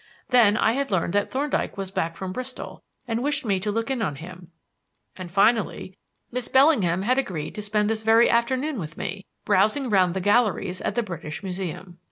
Then, I had learned that Thorndyke was back from Bristol and wished me to look in on him; and, finally, Miss Bellingham had agreed to spend this very afternoon with me, browsing round the galleries at the British Museum.